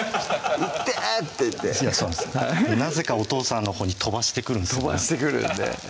「いって！」って言ってなぜかお父さんのほうに飛ばしてくるんですよね